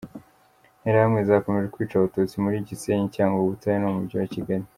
Interahamwe zakomeje kwica Abatutsi muri Gisenyi, Cyangugu, Butare no mu Mujyi wa Kigali.